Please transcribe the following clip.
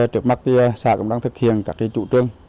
trước mắt xã cũng đang thực hiện các trụ trương